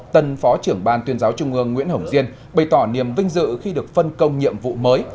tân phó trưởng ban tuyên giáo trung ương nguyễn hồng diên bày tỏ niềm vinh dự khi được phân công nhiệm vụ mới